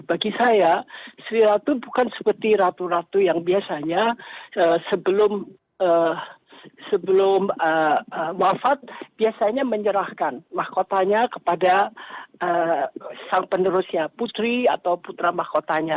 bagi saya sri ratu bukan seperti ratu ratu yang biasanya sebelum wafat biasanya menyerahkan mahkotanya kepada sang penerusnya putri atau putra mahkotanya